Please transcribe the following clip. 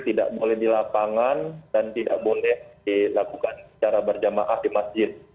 tidak boleh di lapangan dan tidak boleh dilakukan secara berjamaah di masjid